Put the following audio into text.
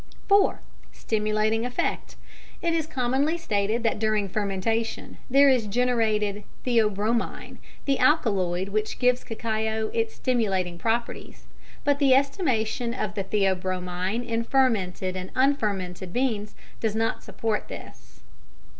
(4) Stimulating Effect. It is commonly stated that during fermentation there is generated theobromine, the alkaloid which gives cacao its stimulating properties, but the estimation of theobromine in fermented and unfermented beans does not support this.